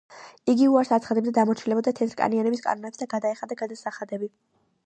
იგი უარს აცხადებდა დამორჩილებოდა თეთრკანიანების კანონებს და გადაეხადა გადასახადები.